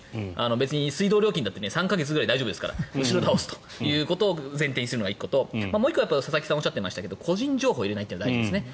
別に、水道料金だって３か月くらい大丈夫ですから後ろ倒すということを前提にするのが１個ともう１個佐々木さんがおっしゃっていましたけど個人情報を入れないというのが大事ですね。